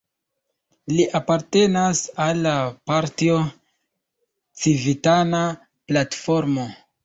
Li apartenas al la partio Civitana Platformo.